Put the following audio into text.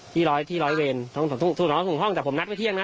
ที่ร้อยแบกต้องส่งห้องซ่ะผมนัดไม่เที่ยงนะ